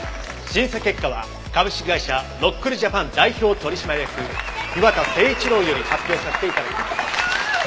審査結果は株式会社ロックルジャパン代表取締役磐田誠一郎より発表させて頂きます。